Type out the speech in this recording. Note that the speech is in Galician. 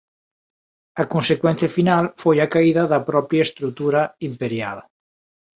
A consecuencia final foi a caída da propia estrutura imperial.